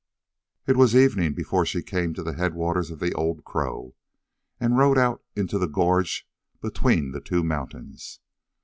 It was evening before she came to the headwaters of the Old Crow, and rode out into the gorge between the two mountains.